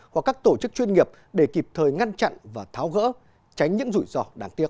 hoặc các tổ chức chuyên nghiệp để kịp thời ngăn chặn và tháo gỡ tránh những rủi ro đáng tiếc